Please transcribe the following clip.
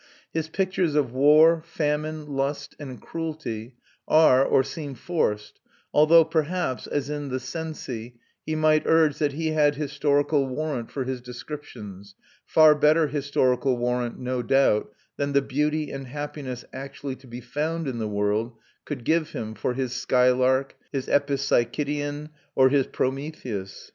His pictures of war, famine, lust, and cruelty are, or seem, forced, although perhaps, as in the Cenci, he might urge that he had historical warrant for his descriptions, far better historical warrant, no doubt, than the beauty and happiness actually to be found in the world could give him for his Skylark, his Epipsychidion, or his Prometheus.